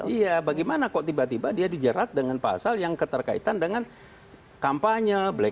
iya bagaimana kok tiba tiba dia dijerat dengan pasal yang keterkaitan dengan kampanye